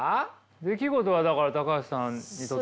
出来事はだから橋さんにとっては。